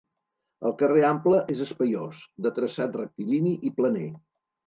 El carrer Ample és espaiós, de traçat rectilini i planer.